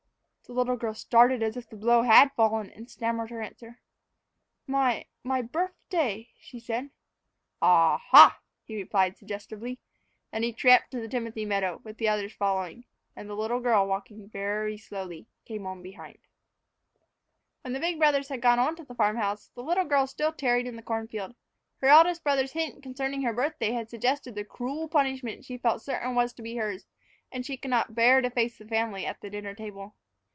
The little girl started as if the blow had fallen, and stammered her answer. "My my birfday," she said. "A ha," he replied suggestively. Then he tramped to the timothy meadow, the others following. And the little girl, walking very slowly, came on behind. WHEN the big brothers had gone on to the farm house, the little girl still tarried in the corn field. Her eldest brother's hint concerning her birthday had suggested the cruel punishment she felt certain was to be hers, and she could not bear to face the family at the dinner table.